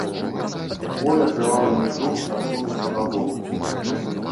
Боль акрываўленых рук адсунуўся набок.